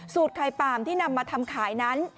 ไข่ป่ามที่นำมาทำขายนั้น